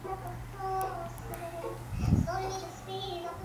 wa muda mrefu sasa kanisa hilo limekuwa likipinga utumiaji wa mipira kondom